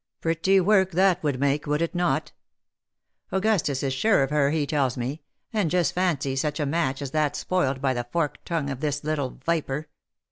Pretty work that would make ! would it not ? Augustus is sure of her, he tells me ; and just fancy such a match as that spoiled by the forked tongue of this little viper